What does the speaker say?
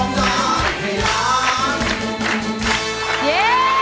แม่